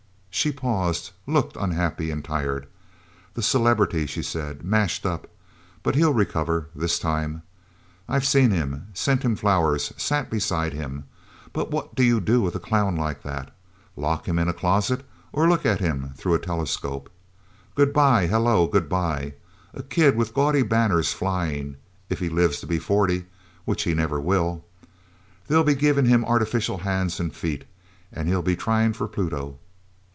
She paused, looked unhappy and tired. "The celebrity," she said. "Mashed up. But he'll recover this time. I've seen him sent him flowers, sat beside him. But what do you do with a clown like that? Lock him in the closet or look at him through a telescope? Goodbye hello goodbye. A kid with gaudy banners flying, if he lives to be forty which he never will. They'll be giving him artificial hands and feet, and he'll be trying for Pluto.